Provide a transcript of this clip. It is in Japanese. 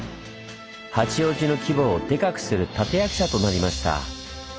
八王子の規模をデカくする立て役者となりました。